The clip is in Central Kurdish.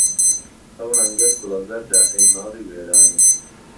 ئهو رهنگهت گوڵه زهرده ئهی ماڵی وێرانم